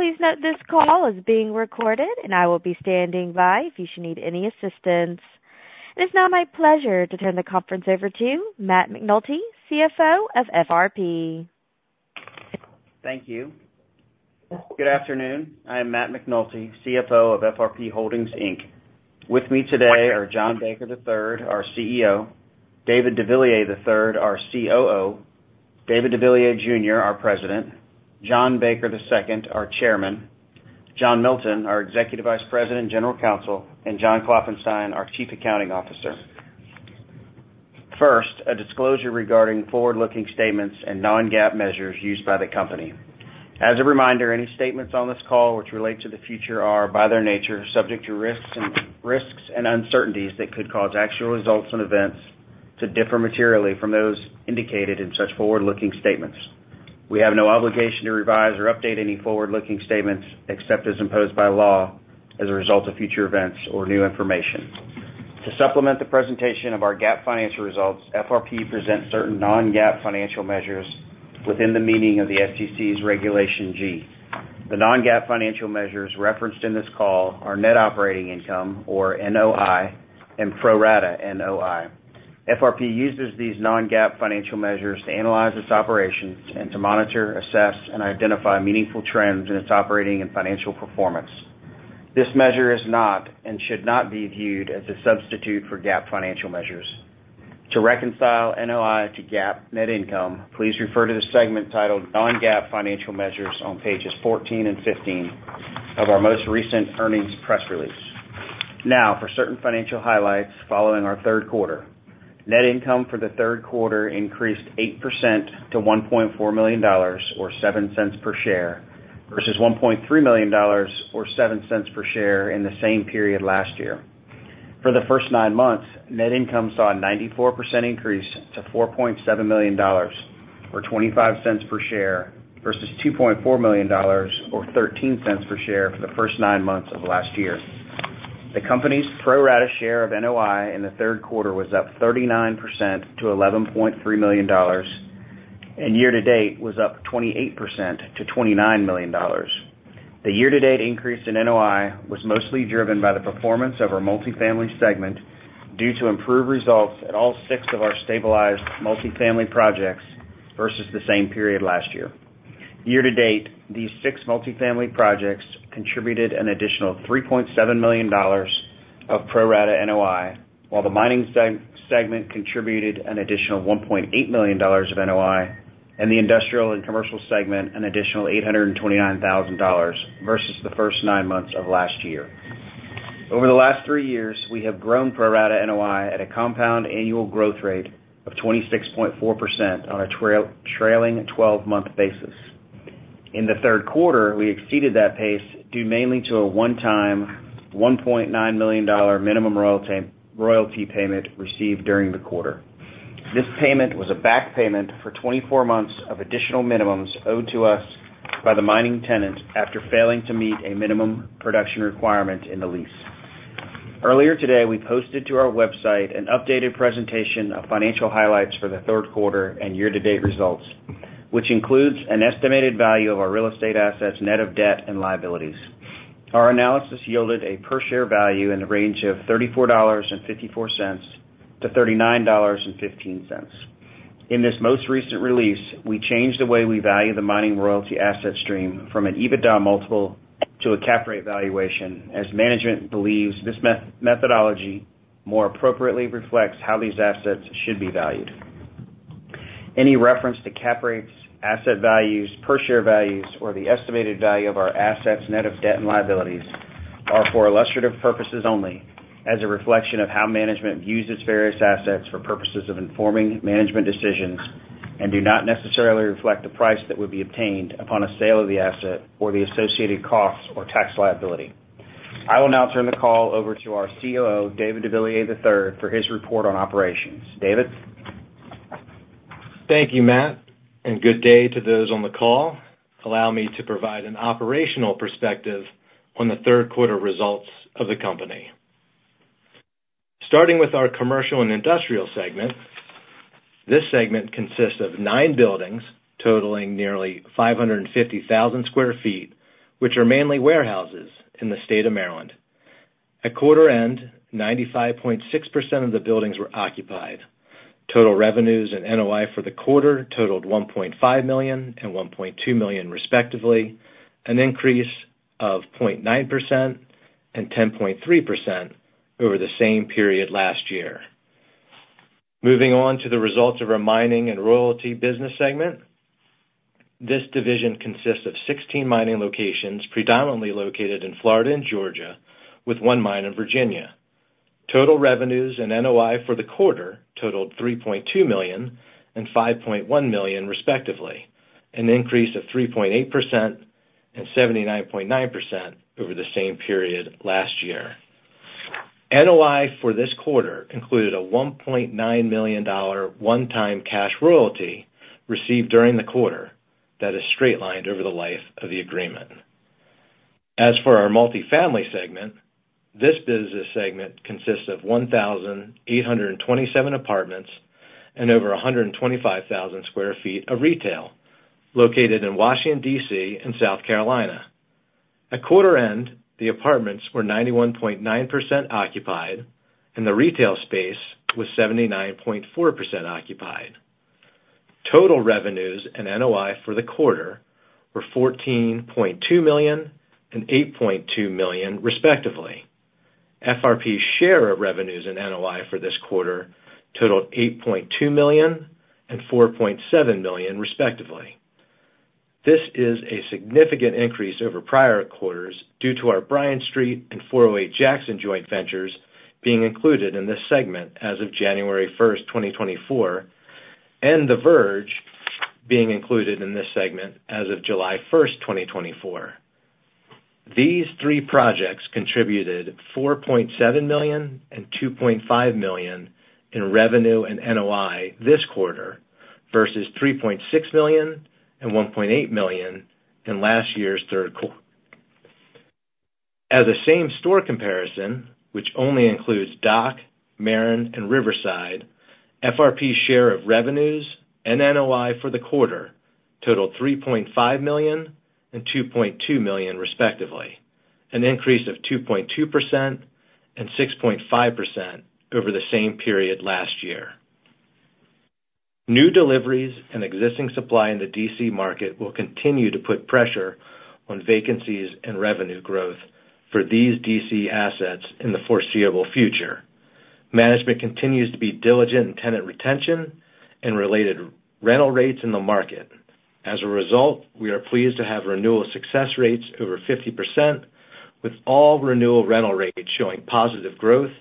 Please note this call is being recorded, and I will be standing by if you should need any assistance. It is now my pleasure to turn the conference over to Matt McNulty, CFO of FRP. Thank you. Good afternoon. I am Matt McNulty, CFO of FRP Holdings Inc. With me today are John Baker III, our CEO, David deVilliers III, our COO, David deVilliers Jr., our President, John Baker II, our Chairman, John Milton, our Executive Vice President and General Counsel, and John Klopfenstein, our Chief Accounting Officer. First, a disclosure regarding forward-looking statements and Non-GAAP measures used by the company. As a reminder, any statements on this call which relate to the future are, by their nature, subject to risks and uncertainties that could cause actual results and events to differ materially from those indicated in such forward-looking statements. We have no obligation to revise or update any forward-looking statements except as imposed by law as a result of future events or new information. To supplement the presentation of our GAAP financial results, FRP presents certain non-GAAP financial measures within the meaning of the SEC's Regulation G. The non-GAAP financial measures referenced in this call are net operating income, or NOI, and pro rata NOI. FRP uses these non-GAAP financial measures to analyze its operations and to monitor, assess, and identify meaningful trends in its operating and financial performance. This measure is not and should not be viewed as a substitute for GAAP financial measures. To reconcile NOI to GAAP net income, please refer to the segment titled Non-GAAP Financial Measures on pages 14 and 15 of our most recent earnings press release. Now, for certain financial highlights following our third quarter, net income for the third quarter increased 8% to $1.4 million, or $0.07 per share, versus $1.3 million, or $0.07 per share, in the same period last year. For the first nine months, net income saw a 94% increase to $4.7 million, or $0.25 per share, versus $2.4 million, or $0.13 per share, for the first nine months of last year. The company's pro rata share of NOI in the third quarter was up 39% to $11.3 million, and year-to-date was up 28% to $29 million. The year-to-date increase in NOI was mostly driven by the performance of our multifamily segment due to improved results at all six of our stabilized multifamily projects versus the same period last year. Year-to-date, these six multifamily projects contributed an additional $3.7 million of pro rata NOI, while the mining segment contributed an additional $1.8 million of NOI, and the industrial and commercial segment an additional $829,000 versus the first nine months of last year. Over the last three years, we have grown pro rata NOI at a compound annual growth rate of 26.4% on a trailing 12-month basis. In the third quarter, we exceeded that pace due mainly to a one-time $1.9 million minimum royalty payment received during the quarter. This payment was a back payment for 24 months of additional minimums owed to us by the mining tenant after failing to meet a minimum production requirement in the lease. Earlier today, we posted to our website an updated presentation of financial highlights for the third quarter and year-to-date results, which includes an estimated value of our real estate assets net of debt and liabilities. Our analysis yielded a per-share value in the range of $34.54-$39.15. In this most recent release, we changed the way we value the mining royalty asset stream from an EBITDA multiple to a cap rate valuation as management believes this methodology more appropriately reflects how these assets should be valued. Any reference to cap rates, asset values, per-share values, or the estimated value of our assets net of debt and liabilities are for illustrative purposes only as a reflection of how management views its various assets for purposes of informing management decisions and do not necessarily reflect the price that would be obtained upon a sale of the asset or the associated costs or tax liability. I will now turn the call over to our COO, David deVilliers III, for his report on operations. David. Thank you, Matt, and good day to those on the call. Allow me to provide an operational perspective on the third quarter results of the company. Starting with our commercial and industrial segment, this segment consists of nine buildings totaling nearly 550,000 sq ft, which are mainly warehouses in the state of Maryland. At quarter end, 95.6% of the buildings were occupied. Total revenues and NOI for the quarter totaled $1.5 million and $1.2 million, respectively, an increase of 0.9% and 10.3% over the same period last year. Moving on to the results of our mining and royalty business segment, this division consists of 16 mining locations predominantly located in Florida and Georgia, with one mine in Virginia. Total revenues and NOI for the quarter totaled $3.2 million and $5.1 million, respectively, an increase of 3.8% and 79.9% over the same period last year. NOI for this quarter included a $1.9 million one-time cash royalty received during the quarter that is straight-lined over the life of the agreement. As for our multifamily segment, this business segment consists of 1,827 apartments and over 125,000 sq ft of retail located in Washington, D.C., and South Carolina. At quarter end, the apartments were 91.9% occupied, and the retail space was 79.4% occupied. Total revenues and NOI for the quarter were $14.2 million and $8.2 million, respectively. FRP's share of revenues and NOI for this quarter totaled $8.2 million and $4.7 million, respectively. This is a significant increase over prior quarters due to our Bryant Street and 408 Jackson joint ventures being included in this segment as of January 1, 2024, and The Verge being included in this segment as of July 1, 2024. These three projects contributed $4.7 million and $2.5 million in revenue and NOI this quarter versus $3.6 million and $1.8 million in last year's third quarter. As a same-store comparison, which only includes Dock, Maren, and Riverside, FRP's share of revenues and NOI for the quarter totaled $3.5 million and $2.2 million, respectively, an increase of 2.2% and 6.5% over the same period last year. New deliveries and existing supply in the DC market will continue to put pressure on vacancies and revenue growth for these DC assets in the foreseeable future. Management continues to be diligent in tenant retention and related rental rates in the market. As a result, we are pleased to have renewal success rates over 50%, with all renewal rental rates showing positive growth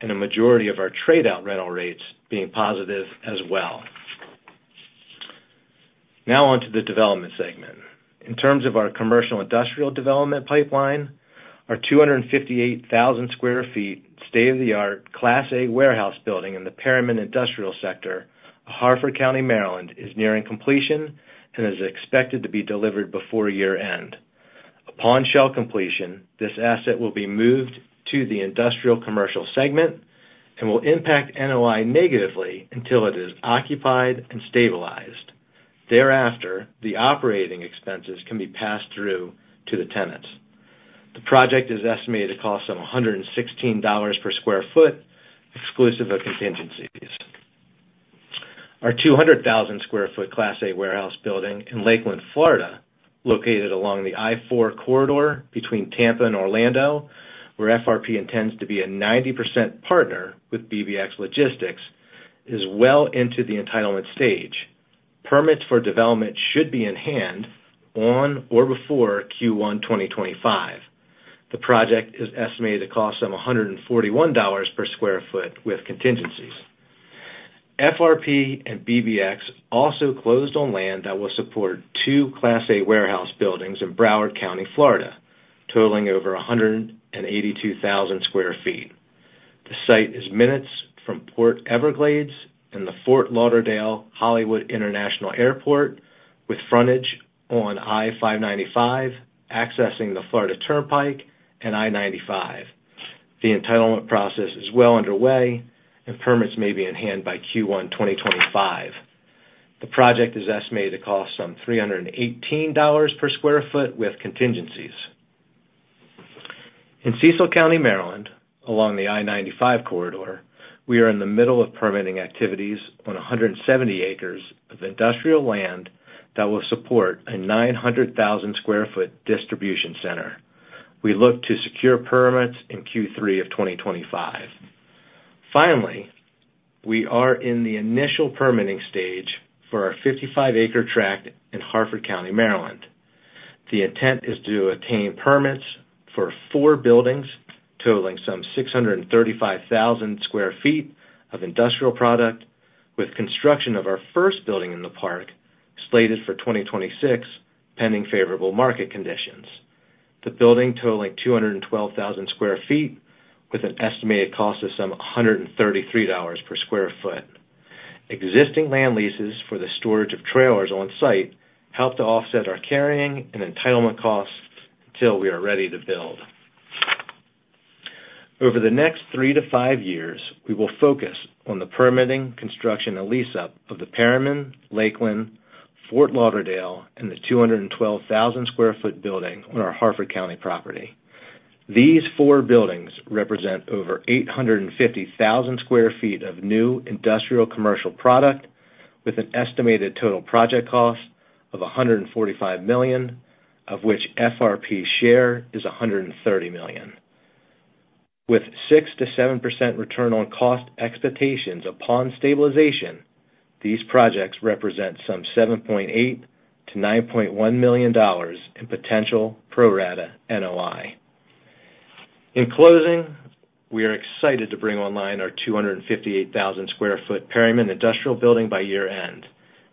and a majority of our trade-out rental rates being positive as well. Now on to the development segment. In terms of our commercial-industrial development pipeline, our 258,000 sq ft state-of-the-art Class A warehouse building in the Perryman Industrial Sector of Harford County, Maryland, is nearing completion and is expected to be delivered before year-end. Upon shell completion, this asset will be moved to the industrial-commercial segment and will impact NOI negatively until it is occupied and stabilized. Thereafter, the operating expenses can be passed through to the tenants. The project is estimated to cost some $116 per sq ft, exclusive of contingencies. Our 200,000 sq ft Class A warehouse building in Lakeland, Florida, located along the I-4 corridor between Tampa and Orlando, where FRP intends to be a 90% partner with BBX Logistics, is well into the entitlement stage. Permits for development should be in hand on or before Q1 2025. The project is estimated to cost some $141 per sq ft with contingencies. FRP and BBX also closed on land that will support two Class A warehouse buildings in Broward County, Florida, totaling over 182,000 sq ft. The site is minutes from Port Everglades and the Fort Lauderdale-Hollywood International Airport, with frontage on I-595 accessing the Florida Turnpike and I-95. The entitlement process is well underway, and permits may be in hand by Q1 2025. The project is estimated to cost some $318 per sq ft with contingencies. In Cecil County, Maryland, along the I-95 corridor, we are in the middle of permitting activities on 170 acres of industrial land that will support a 900,000 sq ft distribution center. We look to secure permits in Q3 of 2025. Finally, we are in the initial permitting stage for our 55-acre tract in Harford County, Maryland. The intent is to obtain permits for four buildings totaling some 635,000 sq ft of industrial product, with construction of our first building in the park slated for 2026 pending favorable market conditions. The building totaling 212,000 sq ft with an estimated cost of some $133 per sq ft. Existing land leases for the storage of trailers on site help to offset our carrying and entitlement costs until we are ready to build. Over the next three-to-five years, we will focus on the permitting, construction, and lease-up of the Perryman, Lakeland, Fort Lauderdale, and the 212,000 sq ft building on our Harford County property. These four buildings represent over 850,000 sq ft of new industrial-commercial product, with an estimated total project cost of $145 million, of which FRP's share is $130 million. With 6%-7% return on cost expectations upon stabilization, these projects represent some $7.8-$9.1 million in potential pro rata NOI. In closing, we are excited to bring online our 258,000 sq ft Perryman Industrial Building by year-end.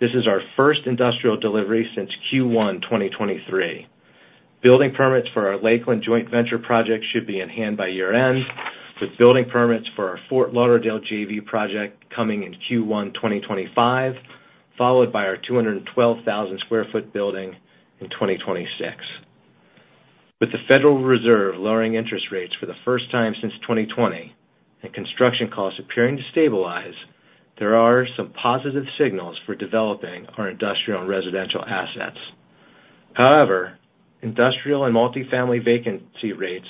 This is our first industrial delivery since Q1 2023. Building permits for our Lakeland Joint Venture project should be in hand by year-end, with building permits for our Fort Lauderdale JV project coming in Q1 2025, followed by our 212,000 sq ft building in 2026. With the Federal Reserve lowering interest rates for the first time since 2020 and construction costs appearing to stabilize, there are some positive signals for developing our industrial and residential assets. However, industrial and multifamily vacancy rates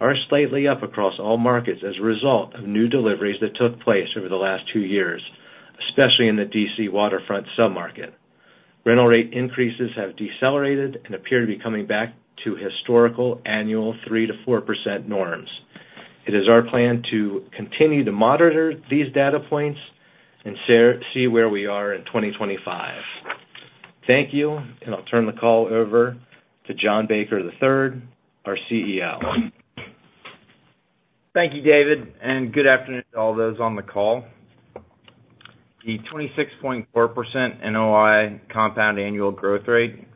are slightly up across all markets as a result of new deliveries that took place over the last two years, especially in the DC waterfront submarket. Rental rate increases have decelerated and appear to be coming back to historical annual 3%-4% norms. It is our plan to continue to monitor these data points and see where we are in 2025. Thank you, and I'll turn the call over to John Baker III, our CEO. Thank you, David, and good afternoon to all those on the call. The 26.4% NOI compound annual growth rate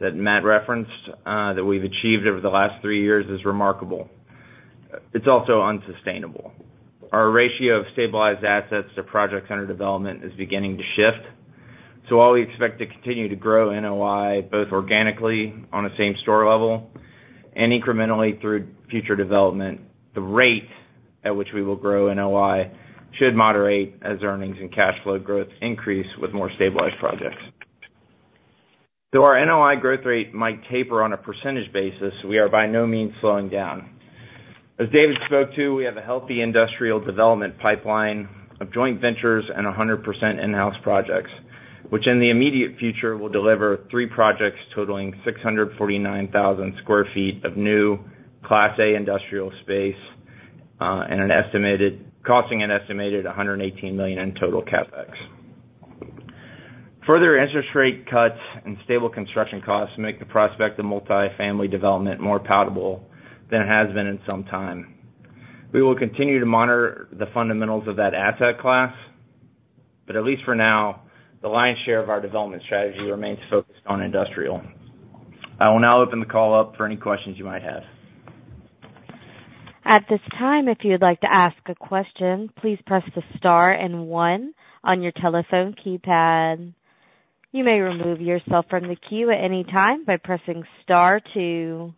that Matt referenced that we've achieved over the last three years is remarkable. It's also unsustainable. Our ratio of stabilized assets to projects under development is beginning to shift. So while we expect to continue to grow NOI both organically on the same store level and incrementally through future development, the rate at which we will grow NOI should moderate as earnings and cash flow growth increase with more stabilized projects. Though our NOI growth rate might taper on a percentage basis, we are by no means slowing down. As David spoke to, we have a healthy industrial development pipeline of joint ventures and 100% in-house projects, which in the immediate future will deliver three projects totaling 649,000 sq ft of new Class A industrial space and costing an estimated $118 million in total CapEx. Further interest rate cuts and stable construction costs make the prospect of multifamily development more palatable than it has been in some time. We will continue to monitor the fundamentals of that asset class, but at least for now, the lion's share of our development strategy remains focused on industrial. I will now open the call up for any questions you might have. At this time, if you'd like to ask a question, please press the star and one on your telephone keypad. You may remove yourself from the queue at any time by pressing star two.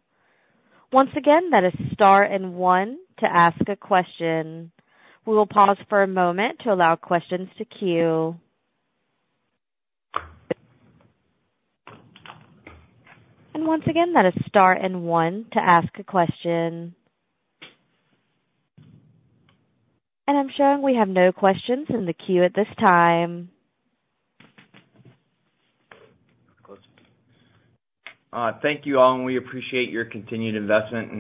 Once again, that is star and one to ask a question. We will pause for a moment to allow questions to queue. And once again, that is star and one to ask a question. And I'm showing we have no questions in the queue at this time. Thank you all, and we appreciate your continued investment.